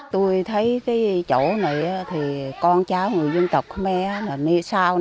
tôi thấy cái chỗ này thì con cháu người dân tộc khmer